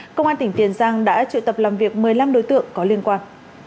công an tỉnh tiền giang đã triệu tập làm việc một mươi năm đối tượng có liên quan